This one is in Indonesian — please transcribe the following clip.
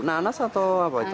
nanas atau apa itu